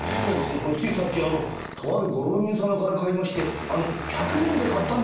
これついさっきとあるご浪人様から買いまして百文で買ったんでございます。